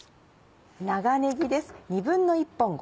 長ねぎです。